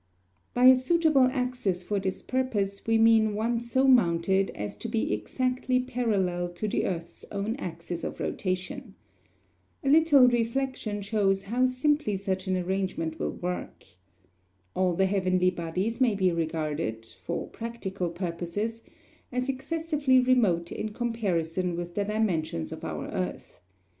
By a suitable axis for this purpose we mean one so mounted as to be exactly parallel to the earth's own axis of rotation. A little reflection shows how simply such an arrangement will work. All the heavenly bodies may be regarded, for practical purposes, as excessively remote in comparison with the dimensions of our earth.